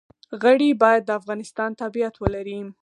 غړي باید د افغانستان تابعیت ولري.